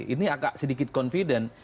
ini agak sedikit confident